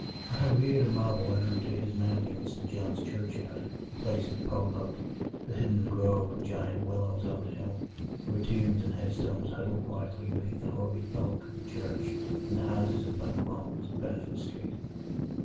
I have reared a marble urn to his memory in St. John's churchyard the place that Poe loved the hidden grove of giant willows on the hill, where tombs and headstones huddle quietly between the hoary bulk of the church and the houses and bank walls of Benefit Street.